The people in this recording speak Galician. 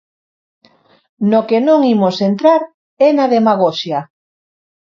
No que non imos entrar é na demagoxia.